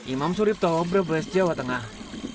imam suripto brebes jawa tengah